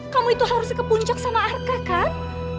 kamu itu harusnya kepuncak sama arka kan